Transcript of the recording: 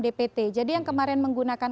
dpt jadi yang kemarin menggunakan